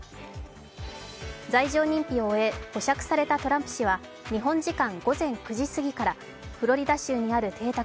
罪状認否を終え保釈されたトランプ氏は日本時間午前９時すぎからフロリダ州にある邸宅